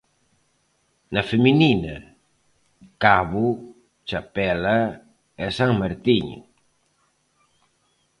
Na feminina: Cabo, Chapela e San Martiño.